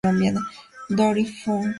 Dory Funk, Jr.